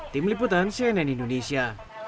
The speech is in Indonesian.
tim liputan cnn indonesia